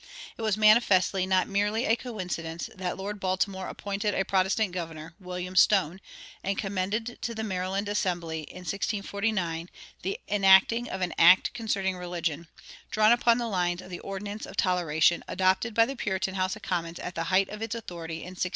It was manifestly not merely a coincidence that Lord Baltimore appointed a Protestant governor, William Stone, and commended to the Maryland Assembly, in 1649, the enacting of "an Act concerning Religion," drawn upon the lines of the Ordinance of Toleration adopted by the Puritan House of Commons at the height of its authority, in 1647.